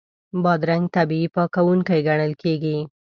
بادرنګ طبیعي پاکوونکی ګڼل کېږي.